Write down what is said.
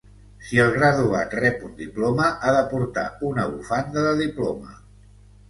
Si el graduat rep un diploma ha de portar una bufanda de diploma.